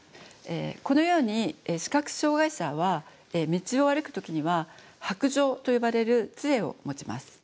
このように視覚障害者は道を歩く時には白杖と呼ばれる杖を持ちます。